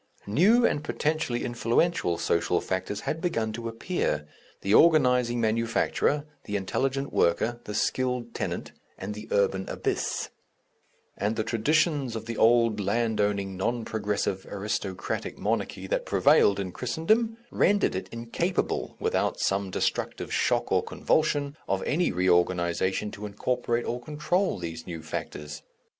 New and potentially influential social factors had begun to appear the organizing manufacturer, the intelligent worker, the skilled tenant, and the urban abyss, and the traditions of the old land owning non progressive aristocratic monarchy that prevailed in Christendom, rendered it incapable without some destructive shock or convulsion of any re organization to incorporate or control these new factors.